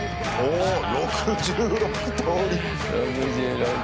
６６通り。